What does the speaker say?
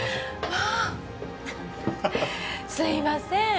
もうすいません